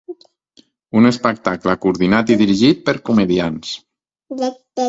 Un espectacle coordinat i dirigit per Comediants.